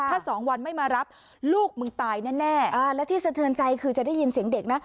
ถ้าสองวันไม่มารับลูกมึงตายแน่และที่สะเทือนใจคือจะได้ยินเสียงเด็กนะ